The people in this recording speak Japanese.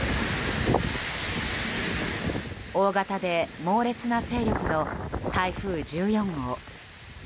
大型で猛烈な勢力の台風１４号。